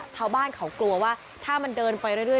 ชาวบ้านเขากลัวว่าถ้ามันเดินไปเรื่อย